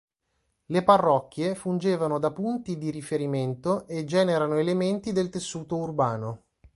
Le parrocchie fungevano da punti di riferimento e generano elementi del tessuto urbano.